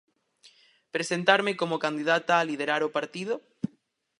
Presentarme como candidata a liderar o partido?